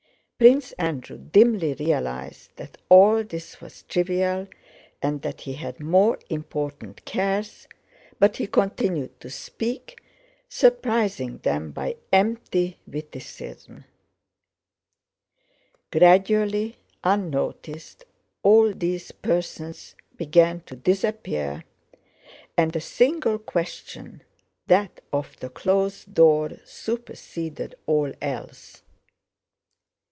Prince Andrew dimly realized that all this was trivial and that he had more important cares, but he continued to speak, surprising them by empty witticisms. Gradually, unnoticed, all these persons began to disappear and a single question, that of the closed door, superseded all else.